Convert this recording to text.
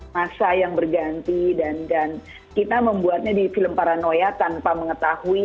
masa yang berganti dan kita membuatnya di film paranoia tanpa mengetahui